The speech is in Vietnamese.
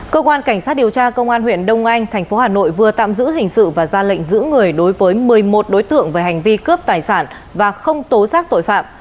cơ quan cảnh sát điều tra công an huyện đông anh tp hà nội vừa tạm giữ hình sự và ra lệnh giữ người đối với một mươi một đối tượng về hành vi cướp tài sản và không tố giác tội phạm